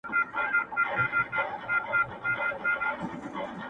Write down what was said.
پټ دي له رویبار څخه اخیستي سلامونه دي--!